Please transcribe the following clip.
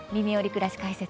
くらし解説」